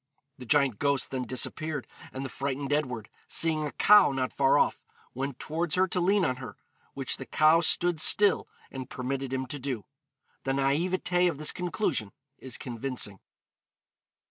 The giant ghost then disappeared, and the frightened Edward, seeing a cow not far off, went towards her to lean on her, which the cow stood still and permitted him to do. The naïveté of this conclusion is convincing.